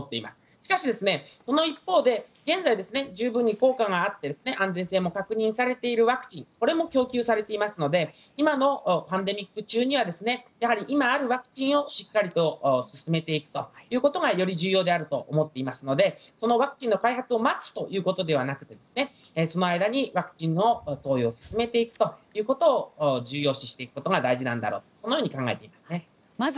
しかし、この一方で現在十分に効果があって安全性も確認されているワクチンこれも供給されていますので今のパンデミック中には今あるワクチンをしっかりと進めていくということがより重要であると思っていますのでそのワクチンの開発を待つということではなくてその間にワクチンの投与を進めていくということを重要視していくことが大事だと考えています。